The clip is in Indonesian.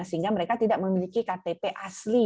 sehingga mereka tidak memiliki ktp asli